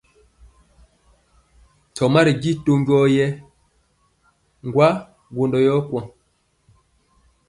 Ntɔma ri ji to gwɔŋ yɛ gwondɔ yɔ kwaŋ.